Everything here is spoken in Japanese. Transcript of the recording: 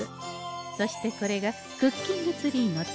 そしてこれがクッキングツリーの種。